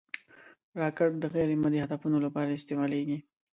راکټ د غیر مادي هدفونو لپاره هم استعمالېږي